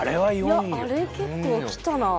いやあれ結構きたな。